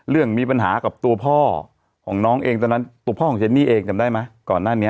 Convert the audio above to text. มีปัญหากับตัวพ่อของน้องเองตอนนั้นตัวพ่อของเจนนี่เองจำได้ไหมก่อนหน้านี้